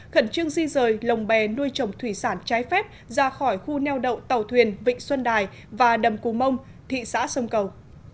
khẩn trương di rời lồng bè nuôi trồng thủy sản trái phép ra khỏi khu neo đậu tàu thuyền vịnh xuân đài và đầm cù mông thị xã sông cầu